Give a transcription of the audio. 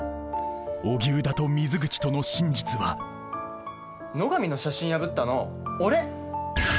荻生田と水口との真実は野上の写真破ったの俺。